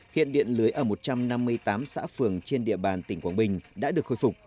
hiện điện lưới ở một trăm năm mươi tám xã phường trên địa bàn tỉnh quảng bình đã được khôi phục